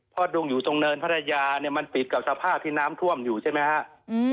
เพราะดุงอยู่ตรงเนินพัทยาเนี่ยมันปิดกับสภาพที่น้ำท่วมอยู่ใช่ไหมครับ